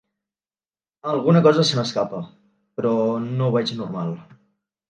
Alguna cosa se m’escapa, però no ho veig normal.